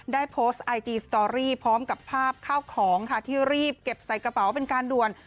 ได้โพสต์ไอจีสตอรี่พร้อมกับภาพข้าวของค่ะที่รีบเก็บใส่กระเป๋าเป็นการด่วน